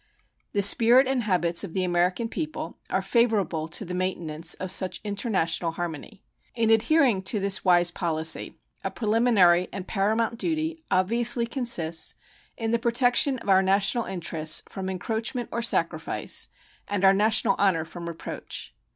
The spirit and habits of the American people are favorable to the maintenance of such international harmony. In adhering to this wise policy, a preliminary and paramount duty obviously consists in the protection of our national interests from encroachment or sacrifice and our national honor from reproach.